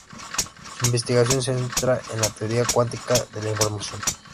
Su investigación se centra en la teoría cuántica de la información.